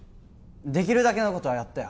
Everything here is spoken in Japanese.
できるだけのことはやったよ